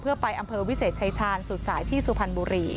เพื่อไปอำเภอวิเศษชายชาญสุดสายที่สุพรรณบุรี